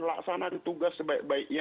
laksanakan tugas sebaik baiknya